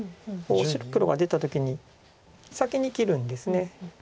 黒が出た時に先に切るんです。